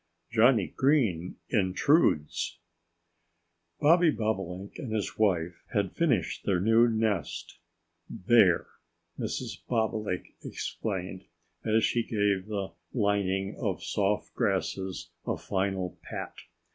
IX JOHNNIE GREEN INTRUDES BOBBY BOBOLINK and his wife had finished their new nest. "There!" Mrs. Bobolink exclaimed, as she gave the lining of soft grasses a final pat.